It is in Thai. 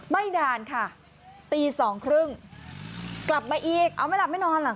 ไม่นานค่ะตีสองครึ่งกลับมาอีกเอาไม่หลับไม่นอนเหรอ